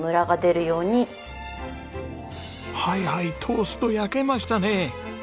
はいはいトースト焼けましたね。